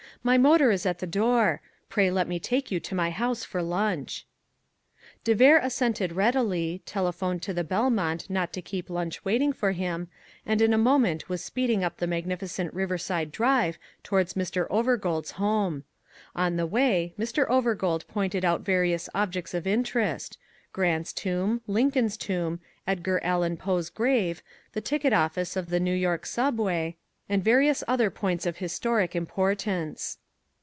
My motor is at the door. Pray let me take you to my house to lunch." De Vere assented readily, telephoned to the Belmont not to keep lunch waiting for him, and in a moment was speeding up the magnificent Riverside Drive towards Mr. Overgold's home. On the way Mr. Overgold pointed out various objects of interest, Grant's tomb, Lincoln's tomb, Edgar Allan Poe's grave, the ticket office of the New York Subway, and various other points of historic importance.